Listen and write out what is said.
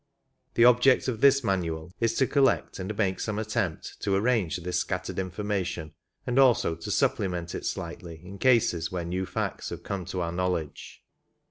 The object of this manual is to collect and make some attempt to arrange this scattered information, and also to supplement it slightly in cases where new facts have come to our knowledge.